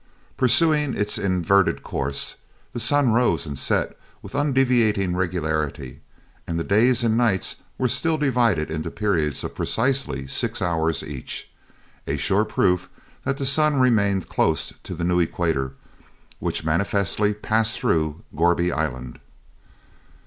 Pursuing its inverted course, the sun rose and set with undeviating regularity; and the days and nights were still divided into periods of precisely six hours each a sure proof that the sun remained close to the new equator which manifestly passed through Gourbi Island.